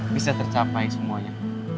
bisa tercapai semuanya